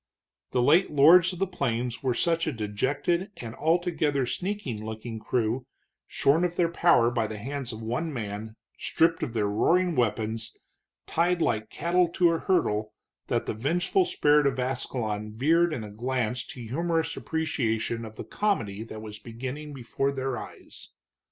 The late lords of the plains were such a dejected and altogether sneaking looking crew, shorn of their power by the hands of one man, stripped of their roaring weapons, tied like cattle to a hurdle, that the vengeful spirit of Ascalon veered in a glance to humorous appreciation of the comedy that was beginning before their eyes.